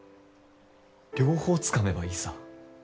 両方つかめばいいさ。